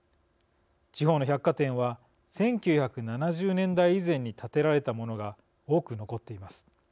地方の百貨店は１９７０年代以前に建てられたものが多く残っています。